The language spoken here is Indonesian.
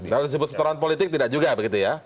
dari sebut setoran politik tidak juga begitu ya